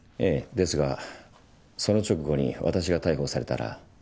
ですがその直後に私が逮捕されたら？